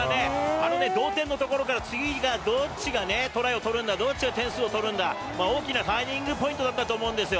あのね、同点のところから、次がどっちがトライを取るんだ、どっちが点数を取るんだ、大きなターニングポイントだったと思うんですよ。